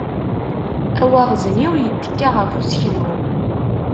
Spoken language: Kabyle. Awaɣzniw yettekka ɣef useklu.